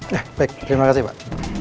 ya baik terima kasih pak